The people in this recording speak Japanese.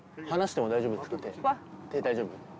手大丈夫？